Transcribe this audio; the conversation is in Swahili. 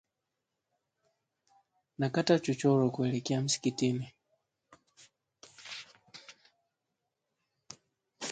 Nakata chochoro kuelekea msikitini